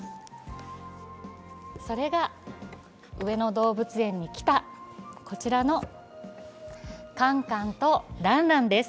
それが上野動物園に来たカンカンとランランです。